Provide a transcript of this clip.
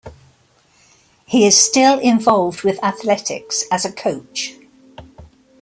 He is still involved with athletics as a coach.